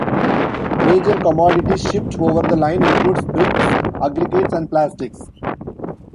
Major commodities shipped over the line include bricks, aggregates, and plastics.